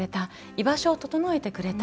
居場所を整えてくれた。